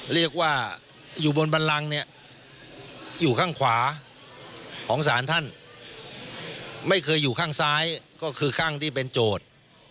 เรียกว่าอยู่บนบันลังเนี่ยอยู่ข้างขวาของศาลท่านไม่เคยอยู่ข้างซ้ายก็คือข้างที่เป็นโจทย์